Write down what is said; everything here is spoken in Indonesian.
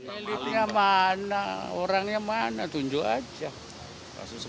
elitnya mana orangnya mana tunjuk aja